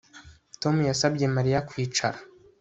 Tom yasabye Mariya kwicara